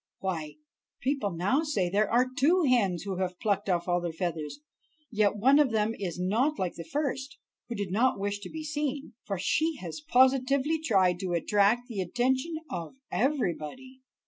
why, people now say there are two hens who have plucked off all their feathers; yet one of them is not like the first, who did not wish to be seen, for she has positively tried to attract the attention of everybody."